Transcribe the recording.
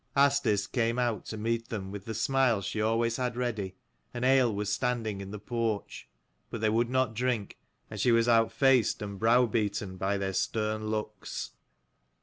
Asdis came out to meet them, with the smile she always had ready, and ale was standing in the porch. But they would not drink, and she was outfaced and browbeaten by their stern looks.